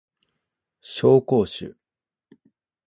紹興酒